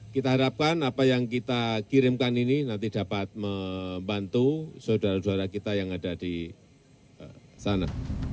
kita harapkan apa yang kita kirimkan ini nanti dapat membantu saudara saudara kita yang ada di sana